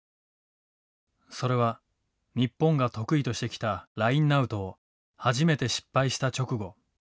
それは日本が得意としてきたラインアウトを初めて失敗した直後。